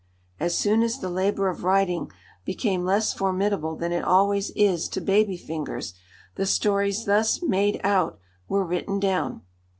As soon as the labour of writing became less formidable than it always is to baby fingers, the stories thus "made out" were written down.